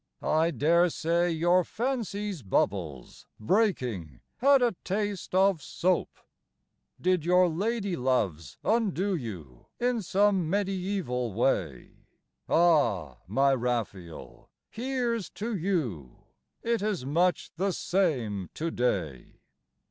I dare say your fancy's bubbles, Breaking, had a taste of soap. Did your lady loves undo you In some mediæval way? Ah, my Raphael, here's to you! It is much the same to day.